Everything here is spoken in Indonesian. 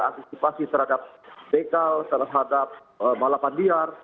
antisipasi terhadap bekal terhadap malapandiar